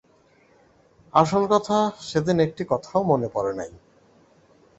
আসল কথা, সেদিন একটি কথাও মনে পড়ে নাই।